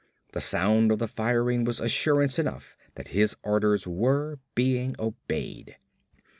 The sound of the firing was assurance enough that his orders were being obeyed.